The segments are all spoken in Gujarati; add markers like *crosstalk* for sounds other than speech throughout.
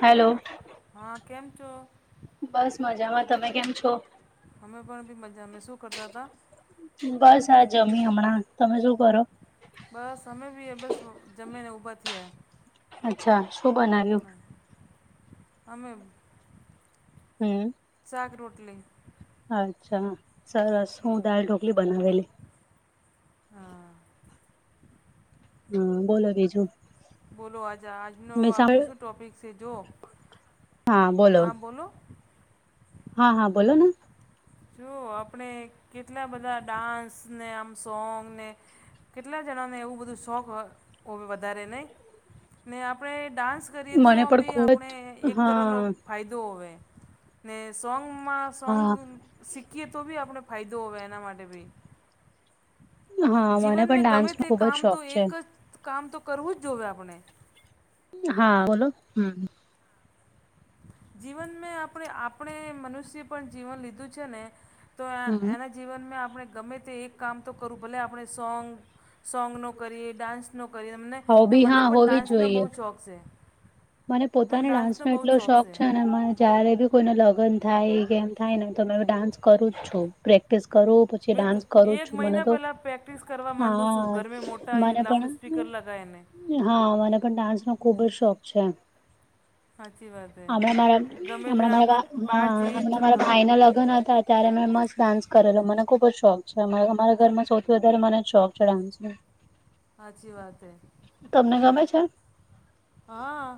હેલો. હા કેમ છો? બસ મજામાં, તમે કેમ છો? અમે પણ બી મજામાં તમે શું કરતા તા? બસ આ જમી હમણાં. તમે શું કરો? બસ અમે બી એ બસ જમી ને ઉભા થ્યા. અચ્છા, શું બનાવ્યું? અમેબ? હમ્મ. શાક રોટલી. અચ્છા સરસ, હું દાલ ઢોકલી બનાવેલી. હા હમ્મ બોલો બીજું. બોલો આજ આજનો મેં આપને શું સાંભ ટોપિક છે જો? હા બોલો. હા હા બોલો ને. જો આપણે કેટલા બધા ડાન્સ ને આમ સોંગ ને કેટલા જણાને એવું બધું શોખ હોવે વધારે ને ને આપણે ડાન્સ કરીએ તો મને પણ ભી ખુબ આપણે જ એક તરહ હા નો ફાયદો હોવે ને સોંગમાં સોંગ હા શીખીએ તો બી આપણે ફાયદો હોવે એના માટે બી હા મને જીવન મે પણ ડાન્સ ગમે નો તે ખુબ જ કામ તો શોખ છે એક જ કામ તો કરવું જ જોવેએ આપણે હા બોલો હમ્મ જીવન મેં આપણે આપણે મનુષ્ય પણ જીવન લીધું છે ને તો હમ એના જીવનમાં આપણે ગમે તે એક કામ તો કરું ભલે આપણે સોંગ સોંગનો કરીએ, ડાન્સનો કરીએ એમને ને હોબી મને હા પણ હોવી જ ડાન્સનો બહુ જોઈએ શોખ છે. મને પોતાના ડાન્સ નો એટલો શોખ છે ને જયારે બી કોઈનો લગન થાય કે એમ થાય ને તો મેં ડાન્સ કરું જ છું પ્રેક્ટિસ કરું, પછી મેં તો ડાન્સ કરું જ એક છું મને મહિના તો, પહેલાં પ્રેક્ટિસ કરવા માંડું છું હા ઘરમે મોટા એ મને લાઉડ પણ સ્પીકર લગાઈ ને હા મને પણ ડાન્સ નો ખુબ જ શોખ છે. સાચી વાત હે હમણા મારા ગમે તે હમડા મારા ગા આપણે બહાર હા જઈએ હમડા તો મારા હા ભાઈ ના લગન હતા. ત્યારે મેં મસ્ત ડાન્સ કરેલો. મને ખુબ જ શોખ છે અમારા ઘરમાં સૌથી વધારે મને શોખ છે ડાન્સ નો હાચી વાત એ. તમને ગમે છે? હા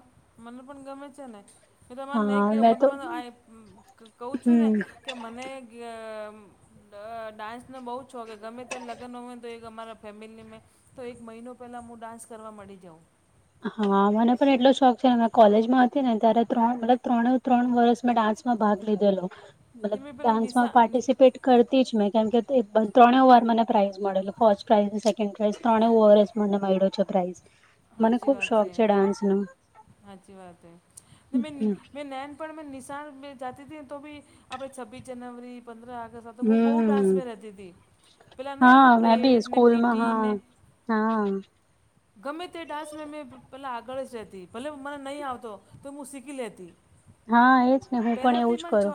મને પણ ગમે છે ને. કે તમારે નઈ હા કેવ મેં તો મતબેં આ એ કઉ છું ને હમ કે મને ગે ડ ડાન્સ નો બહુ જ શોખ હે ગમે તેનો લગન હોવે તો એક અમારા ફેમિલી મેં તો એક મહિનો પહેલાં મું ડાન્સ કરવા માંડી જાઉં. હા મને પણ એટલો શોખ છે મે કોલેજમાં હતી ને ત્યારે ત્રણ મતલબ ત્રણ વરસ મે ડાન્સ માં ભાગ લીધેલો, ને મતલબ મેં પેલા ડાન્સમાં નિશા પાર્ટિસપેટ કરતી જ મેં કેમ કે ત્રણે વાર મને પ્રાઇઝ મળેલો ફર્સ્ટ પ્રાઇઝ ને સેકન્ડ પ્રાઇઝ ત્રણે ઓવર જે મને મેઈડો છે પ્રાઇઝ હાચી વાત છે હાચી વાતે મે મે પણ મેં નિશાાન જાતી હતી તો બી આપણે છવ્વીસ જનવરી પંદ્ર આગસ્ તો હું બહુ હમ ડાન્સમાં રહેતી હતી પેલા નહી આવત કે હા મેં બી પરેડ ને સ્કૂલમાં પીટીને હા હા ગમે તે ડાન્સ મે મેં પહેલા આગળ જ રહેતી ભલે મને નહીં આવતો તો હું શીખી લેતી હા એજ ને હું પણ એવું જ પેલાતીમાં કરું છો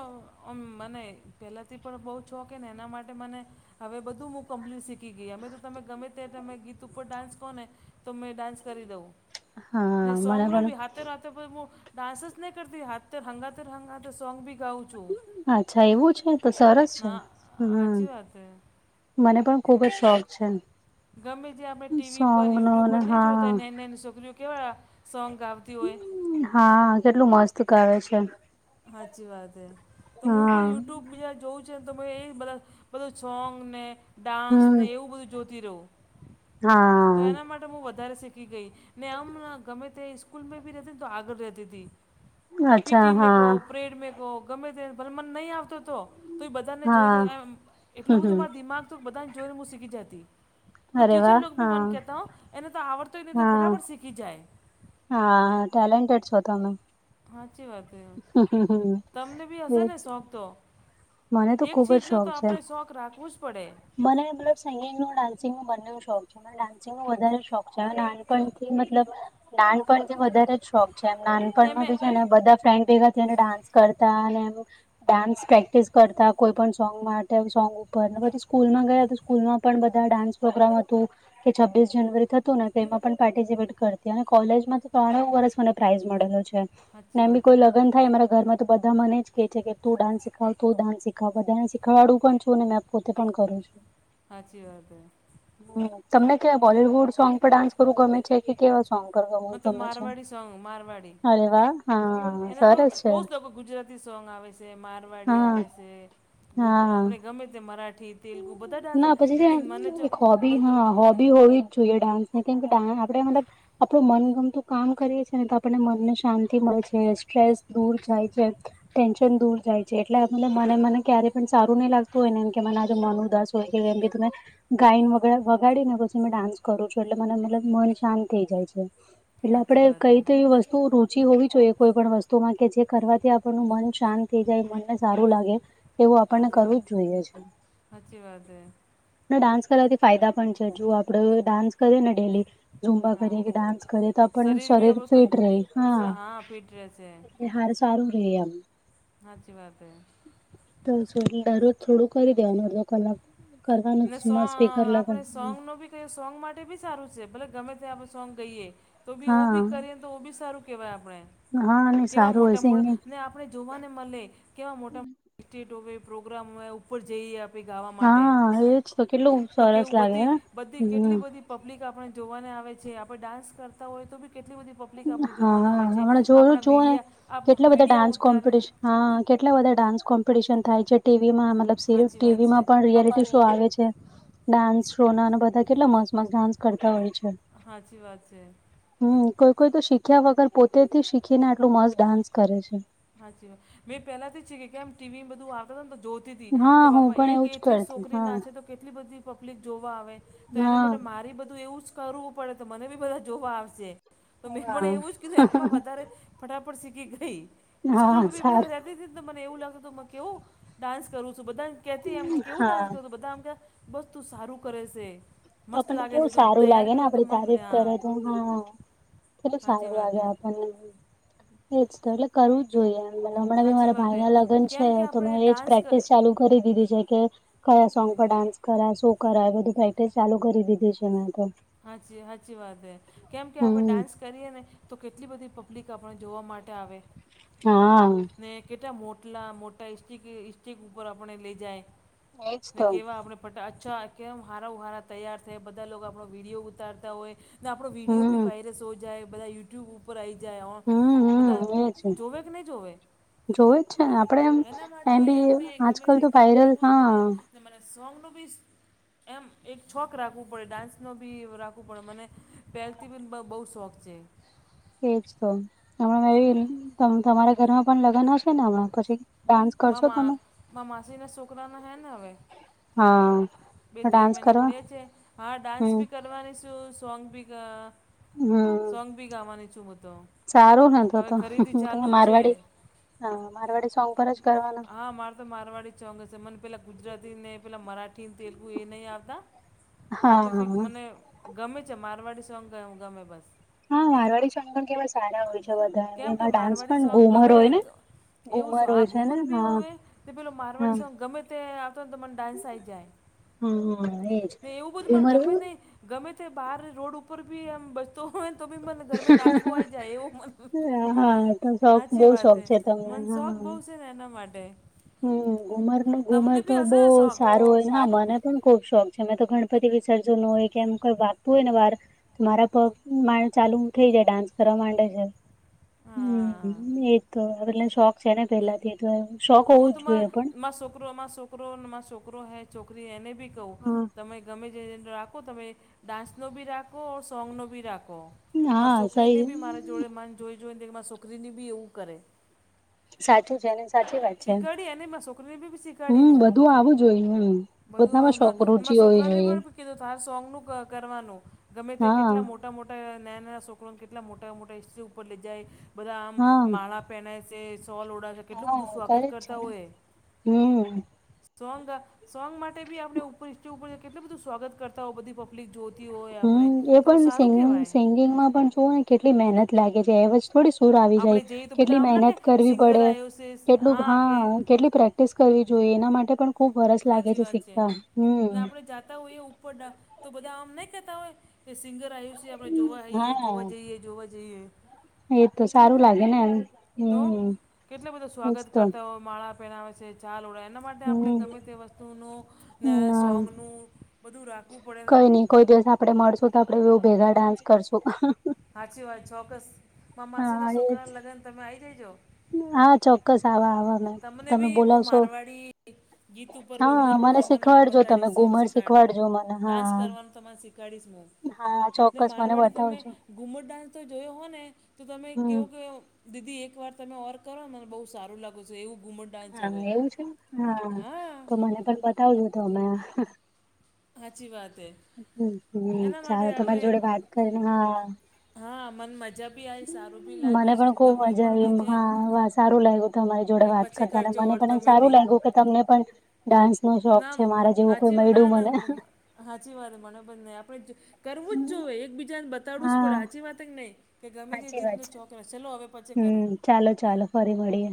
અ મને પહેલાંથી પણ બહુ છોકે ને એના માટે મને હવે બધું હું કમ્પ્લીટ શીખી ગઈ અમે તો તમે ગમે તે તમે ગીત ઉપર ડાન્સ કો ને તો મેં ડાન્સ કરી દઉં ને હા મને સોંગનો પણ બી હાથે રાતે પણ હું ડાન્સ નહી કરતી હાથ હંગા ત હંગા ત સોંગ બી ગાઉછું અચ્છા એવું છે તો સરસ છે હમ સાચી વાત છે મને પણ ખુબ જ શોખ છે ગમે તે આપણે ટીવી સોંગ પર નો યુટ્યુબ ને પર નહી જોતાય હા નેની નેની છોકરીઓ કેવા સોંગ ગા આવતી હોય હા કેટલું મસ્ત ગાવે છે હાચી વાત હૈ તો હું હા પણ યુટ્યુબ બીજા જોવું છે ને તો એ બધા બધું સોંગ ને હમ ડાન્સને એવું બધું જોતી રહું તો હા એના માટે હું વધારે શીખી ગઈ ને આમ ગમે તે સ્કૂલમાં બી રહેતી ને તો આગળ રહેતી હતી અચ્છા હા પ્રેડમે કોહ ગમે તે ભલ મન નહી આવતો તો તો એ બધાને હા જોઈ આમજ એટલું હમ બધું હમ મારા દિમાગ તો બધાને જોઈને હું શીખી જતી તો અરે ટીચર વાહ લોટભી હા મન કેતા હો એને તો આવડતો હોયને તો હા ફટાફટ શીખી જાય હા ટેલેન્ટેડ છો તમે હાચી વાતે હમ હમ હમ તમને બી હશે એજ ને શોખ તો મને તો એક ખુબ જ ચીજનો તો શોખ છે આપણે શોખ રાખવું જ પડે મને મતલબ સિંગિંગ નો ડાન્સિંગ નું બંને ન શોખ છે ડાસીગ નો વધારે શોખ છે હ નાનપણથી મતલબ પણ વધારે જ શોખ છે એમ ને નાનપણનો અમે ભી છે બધા ફ્રેન્ડ ભેગા થને ડાન્સ કરતા અને એ ડાન્સ પ્રેક્ટિસ કરતા કોઈ પણ સોંગ માટે સોંગ ઉપર ને પછી સ્કૂલમાં ગયા તો સ્કૂલમાં પણ બધા ડાન્સ પ્રોગ્રામ હતું કે છવીસ જાનુરી થતું ને તેમાં પણ પાર્ટિસિપેટ કરતી અને કોલેજમાં ત્રણું વર્ષ મને પ્રાઈઝ મળેલો છે સાચી ને એમ બી વાત હે કોઈ લગન થાય અમારા ઘરમાં તો બધા મને જ કેહે છે કે તું ડાન્સ શીખાવ તો ડાન્સ શીખવ શીખવાડું પણ છું પોતે પણ કરું છું હાચી વાત હે હ તમને ક્યાં બોલીવુડ સોંગ પર ડાન્સ કરવું ગમે છે કે કેવા સોંગ પર હા તો ગમે છે મારવાડી સોંગ મારવાડી અરે વાહ હા એના તો સરસ છે બહુ જ લોકો ગુજરાતી સોંગ આવે છે મારવાડી હા આવે છે ગુ હા આપણે ગમે તે મરાઠી તેલુગુ બધા ડાન્સ ના પછી લેકિન મને જો એક હોબી મને તો હા હોબી હોવી જ જોઈએ ડાન્સ કેમ કે ડા આપે મતલબ આપડું મનગમતું કામ કરીએ છે ને તો આપણને મનને શાંતિ મળે છે સ્ટ્રેસ દૂર થાય છે. ટેન્શન દૂર જાય છે એટલે મતલબ મને મને ક્યારેય પણ સારું નહીં લાગતું હોય ને એમ કે મને મન ઉ દાસ હોય કેમ કે તમે ગાયન વગા વગાડીને પછી મે ડાન્સ કરું છું એટલે મને મતલબ મન શાંત થઈ જાય છે. એટલે સાચી આપડે વાત હે કઈ ક ઈવસ્તુ રુચિ હોવી જોઈએ કોઈ પણ વસ્તુમાં કે જે કરવાથી આપણ મન શાંત થઈ જાય મનને સારું લાગે એવું આપણને સાચી કરવું વાત જ જોઈએ છે સાચી વાતે ડાન્સ કરવાથી ફાયદા પણ છે, જો આપડે ડાન્સ કરીએ ને ડેલી ઝુંમ્બા હા કરીએ કે ડાન્સ કરીએ તો આપ બી શરીર આપણું ફિટ રહે હા તં ફિટ રહે છે એ હાર સારું ર એમ સાચી વાત તો દરરોજ થોડું કરી દેવાનું અડધો કલાક કરવાનું ને સો જ સ્પીકર આપણે લગાવી સોંગ નો બી તે સોંગ માટે બી સારું છે ભલે ગમે ત્યા આપ સોંગ ગઈએ તો બી હા બી કરી તો બી સારું કેહેવાય આપણે હા અને કેવા સારું હોય મોટા મોટ ને સિંગિંગ આપણે આપણે જોવાને મલે કેવા મોટા મો સ્ટેટ હોય પ્રોગ્રામ હોય ઉપર જઈએ. પીગાવા માટે હા એજ તો કેટલુ તો કેવું બધી બધી કેટલી બધી પબ્લિક આપણે જોવાને આવે છે, આપણે ડાન્સ કરતા હોય તો બી કેટલી બધી પબ પબ્લિક આપણે હા જોવાના આવે છે, હમણાં જોયું આપણા જુઓ ને મીડિયા કેટલા બધા મીડિયા ડાન્સ ઉતારે કોમ્પિટિશન હા કેટલા બા ડાન્સ કો થાય છે ટીવીમાં સાચી વાત છે ટીવીમાં પણ રિયાલિટી શો આવે છે. ડાન્સ શો ના અને બધા કેટલા મસ્ત મસ્ત ડાન્સ કરતા હોય છે. હાચી વાત છે. હમ કોઈ કોઈ તો શીખ્યા વગર પોતેથી શીખીને આટલું મસ્ત ડાન્સ કરે છે. હાચ વાય મેં પેલા તો જ છે કેમ ટીવી બધું આવતાને તો જો હા તો હું બાપા પણ એક એવું જ એટલી કરતી છોકરી હા ના છે, તો કેટલી બધી પબ્લિક જોવા આવે તો એને હા બદલે મારી બધું એવું જ કરવું પડે તો મને બી બધા જોવા આવશે તો મેં પણ એવું જ કીધું એમાં હા વધારે ફટાફટ સીખી ગઈ હા સ્કૂલ ભી બંધ સારું રહેતા મને એવું લાગે કેવું ડાન્સ કરું છુ બધાથી એમ કે કેવું ડાન્સ હા કરું છુ બધા આમ બસ તું સારું કરે છે. તો મસ્ત આપણને લાગે છે કેવું તું સારુ તૈયાર લાગે બી ને હોય તો આપડી મસ્ત તારીફ હા કરે તો હા કેટલું સાચી સારું વાત લાગે હે આપણને એજ તો એટ કરવું જ જોઈએ, હમણાં બી સાચી મારા વાત ભાઈ હે ના લગ્ન છે કેમ કે તો મેં આપણે એજ ડાન્સ ક- પ્રેક્ટિસ ચાલુ કરી દીધી છે, કે કયા સોંગ પર ડાન્સ કરાય શો કરાય એ બધું પ્રેક્ટિસ ચાલુ કરી દીધી છે, મે તો હાચી સાચી વાત હે કેમ કે આપડે હમ ડાન્સ કરીએ ને તો કેટલી બધી પબ્લિક આપણે જોવા માટે આવે હા ને કેટલા મોટલા મોટા ઈસિટક સ્ટીિક ઉપર આપણે લઈ જાય એજ ને તો કેવા આપણે બટ અચ્છા કેમ હારા ઉ હારા તૈયાર થાય બધા લોકો આપણો વિડીયો ઉતારતા હોય. ને આપણો વિડીયો હમ બી વાઇરસ હો જાય બધા યુ યુટ્યુબ ઉપર આવી જાય હમ બધા હમ એજ જોવે કે નહી, જોવે જોવે જ છેને, આપડે એના માટે એમ બી આપણે ગમે આજકાલ તે તો કામ વાયરલ કરવું જ હા પડે મને સોંગનું બી એમ એક છોક રાખવું પડે ડાન્સ નો બી રાખવું પડે મને પહેલથી બી બહુ શોખ છે. એજ તો હમણાં એવી તમારા ઘરમા પણ લગ્ન હશે ને હમણાં પછી ડાન્સ મા કરશો મા તમે મા માસી ના છોકરા ના હૈ ને હવે હા બે ત્રણ ડાન્સ મહિના કરવા પડ્યા છે, હા ડાન્સ હમ બી કરવાની શું સોંગ ભી ગા હમ સોંગ બી ગાવાની છુ, હુ તો સારું ને તો હવે ખરીદી તો ચાલુ જ છે. મારવાડી હા મારવાડી સોંગ પર જ કરવાના હા મા તો મારવાડી ચોંગશે મને પેલા ગુજરાતી ને પેલા મરાઠી ને તેલુગુ એ નહી, આવતા મારે હા તો ફિક હા મને ગમે છે, મારવાડી સોંગ ગમે બસ હા મારવાળી સોગના કેવા સારા હોય છે બધા એ કેમ કે એમાં ડાન્સ પણ ગુમર હોય ને ગુ ગ ઉમર ભી હોવે, તો પેલો મારવાડી સા ગમે તે્યાં આવતો હો ને મને ડાન્સ આવી જાય હા એજ ને એવું બધું મને ઘુમર ઘરમાં જ નહી ગમે તે બહાર રોડ ઉપર બી એમ બસ તો તો બી મને ઘર નાચવો આવી જાય એવું મ, સાચી વાત હ. મ પગ બહુ છે ને એના માટે હમ ઘુમરનું ઘુમર તમને તો બી હશે બહુ ને શોખ સારું હું હોયને હા સા મને. પણ ખુબ શોખ છે મે તો ગણપતિ વિસર્જન હોય કે એમ કોઈ વાગતું હોય ને વાર મારા પગ મા ચાલુ થઇ જાય ડાન્સ કરવા માંડે છે હા હમ એ તો એટ શોખ છે ને પેલાથી તો શોખ તો હોવું મુત જ જોઈએ પણ મા છોકરો છોકરોને છોકરો હૈ છોકરી એને બી કહું તમે ગમેજ રાખો તમે ડાન્સનો બી રાખો સોંગનો બી રાખો. હા મારા સહી છોકરીને બી મારા જોડે મન જોઈ જોઈ ને મારા છોકરીને બી એવું કરે. સાચું છે ને. સાચી વાત છે શીખવાડી અને મારા છોકરીને બી બી શીખવાડી હમ હું બધું આવું જોઈએ હમ બધામાં શોખ રુચિ હોવી જોઈએ. સોંગ નું કરવાનું ગમે તે હા કેટલા મોટા મોટા મોટા નાના નાના છોકરાને કેટલા મોટા મોટા હિસ્ટ્રી ઉપર લઈ જાય બધા આમ હા માળા *inaudible* છે સોલ ઓડા કેટલું હા બધું સ્વાગત કરે જ છે કરતા ને હોય. હમ સોંગ સોંગ માટે બી આપણે ઉપરેજ ઉપર કેટલું બધું સ્વાગત કરતા હો બધી પબ લિક જોતિ હોય. હ આપણે એ તો પણ સારું કહેવાય સ સિંગિંગમાં પણ જુઓ ને કેટલી મહેનત લાગે છે એમજ થોડી ર આવી જાય આપણે જઈએ તો બધા કેટલી આમ ના કે મહેનત કરવી સિંગર પડે આવ્યો છે કેટલું આ હા કે કેટલી પ્રે પ્રેક્ટિસ કરવી જોઈએ એના માટે પણ. ખુબ વરસ લાગે સાચી વાત છે શીખતા ને હમ આપણેે જાતા હોઈએ ઉપર. તો બધા આમ નહીં કહેતા હોય કે સિંગર આવ્યું છે આપણે જોવા જઈએ હા જોવા જઈએ જોવા જઈએ. એ તો સારું લાગે ને એમ. તો હમ કેટલા બધા એજ સ્વાગત તો કરતા હોય માળા પહેરાવે છે સાવ ઓડ એના માટે માટે આપણે ગમે હમ તે વસ્તુનુ ને ના સોંગનું બધું રાખવું પડે. કઈ નઈ કોઈ દિવસ આપણે મળશું તો આપણે બવું ભેગા ડાન્સ કરશું. હાચિ વાત‌ ચોક્કસ મા હા માસીના એજ છોકરાં ના લગન તમે આ આવી જજો. હા ચોક્કસ આવા આવા ના તમને બી હું મારવાડી ગીત ઉપર ઘુમર હા પર મને તમાને શીખવાડજો બતાડી તમે સોંગ ઘુમર શીખ ખડો શીખવાડજો મને ડાન્સ હા કરવાનું તને શીખાડીશ હા હું ચોક્કસ મને મારવાડી તમે બતાવજો ગુમ્મટ ડાન્સ તો જોયો હો ને તો તમે હમ કેવો કેવો? દીદી એક વાર તમે ઓર કરો ને બહુ સારું લાગુ છે એવું ઘુમડ હા એવું છે હા તો મને પણ બતાવજો તો અમે હાચી વાત હૈ. ચાલો તમારી જોડે વાત કરીને હા હા મન મ મને પણ ખુબમજા પણ આવી ભાઈ એ છે હા સારું લાગ્યું તમારે જોડે ને વાત પછી કરજો કરતા ઓર મને તમે સારું બી લાગ્યું કે તમને પણ ડાન્સ નો શોખ ના છે મા જેવું હાચી કોઈ ના મળડ્યું ના મને. હાચી વાત મને બ ન આપડે કરવું જ જોઈએ એક બીજાને બતાવું જ પડે હા સાચી વાત નઈ? કે ગમે તે સાચી વાત છે જીતનો *inaudible* હવે પછી કરું. હમ ચાલો ચાલો ફરી મળીએ.